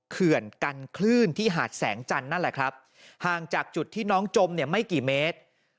เขื่อนกันคลื่นที่หาดแสงจันทร์นั่นแหละครับห่างจากจุดที่น้องจมเนี่ยไม่กี่เมตร